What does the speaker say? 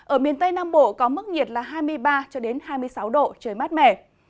ở miền tây nam bộ có mức nhiệt là hai mươi ba cho đến hai mươi sáu độ trời mát mẻ